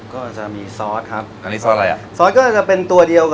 ก็จะมีซอสครับ